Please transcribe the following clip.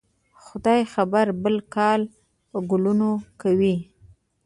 خدای خبر؟ بل کال به ګلونه کوي